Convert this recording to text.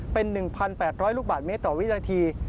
เป็น๑๘๐๐ลูกบาทเมตรต่อวินาที